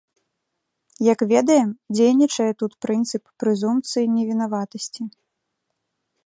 Як ведаем, дзейнічае тут прынцып прэзумпцыі невінаватасці.